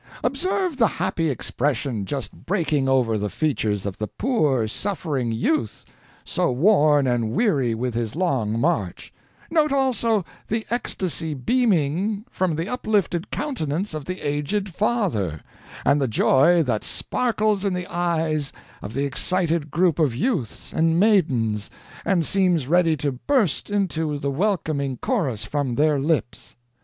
Observe the happy expression just breaking over the features of the poor, suffering youth so worn and weary with his long march; note also the ecstasy beaming from the uplifted countenance of the aged father, and the joy that sparkles in the eyes of the excited group of youths and maidens, and seems ready to burst into the welcoming chorus from their lips.